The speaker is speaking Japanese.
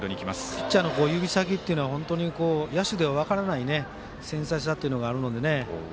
ピッチャーの指先っていうのは本当に野手では分からない繊細さというのがあるのでね。